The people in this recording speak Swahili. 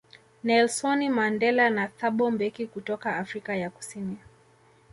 Nelsoni Mandela na Thabo Mbeki kutoka Afrika ya Kusini